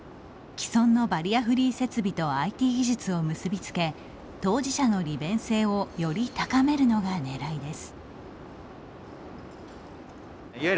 既存のバリアフリー設備とＩＴ技術を結び付け当事者の利便性をより高めるのがねらいです。